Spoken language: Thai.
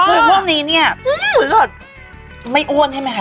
คือพวกนี้เนี่ยหมูสดไม่อ้วนใช่ไหมคะ